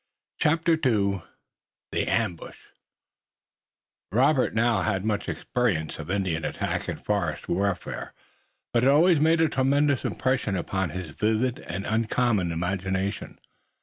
CHAPTER II THE AMBUSH Robert now had much experience of Indian attack and forest warfare, but it always made a tremendous impression upon his vivid and uncommon imagination.